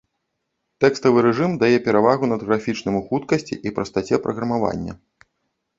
Тэкставы рэжым дае перавагу над графічным у хуткасці і прастаце праграмавання.